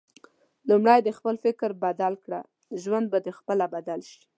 لومړی د خپل فکر بدل کړه ، ژوند به د خپله بدل شي